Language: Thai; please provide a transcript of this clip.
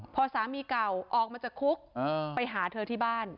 พอสามีเก่าออกมาจากคุกไปหาเธอที่บ้าน